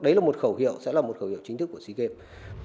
đấy là một khẩu hiệu sẽ là một khẩu hiệu chính thức của sea games